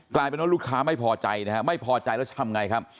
กลายเป็นว่าลูกค้าไม่พอใจนะฮะไม่พอใจแล้วจะทำไงครับ